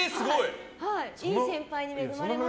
いい先輩に恵まれました。